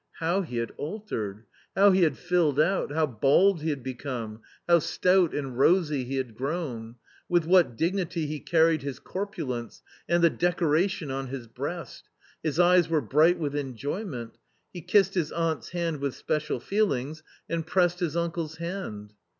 How he had altered ! How he had filled out, how bald he had become, how stout and rosy he had grown ! With what dignity he carried his corpulence, and the decoration on his breast ! His eyes were bright with enjoyment. He kissed his aunt's hand with special feelings, and pressed his uncle's hand.